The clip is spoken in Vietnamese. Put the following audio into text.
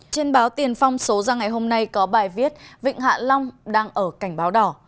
trên báo tiền phong số ra ngày hôm nay có bài viết vịnh hạ long đang ở cảnh báo đỏ